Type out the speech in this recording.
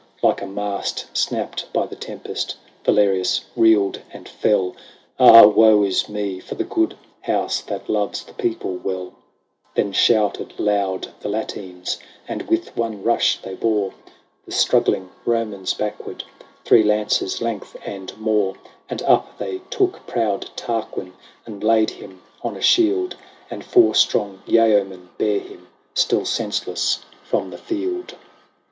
Like a mast snapped by the tempest, Valerius reeled and fell. Ah ! woe is me for the good house That loves the people well ! Then shouted loud the Latines ; And with one rush they bore BATTLE OF THE LAKE REGILLUS. 115 The struggling Romans backward Three lances' length and more : And up they took proud Tarquin, And laid him on a shield, And four strong yeomen bare him. Still senseless, from the field.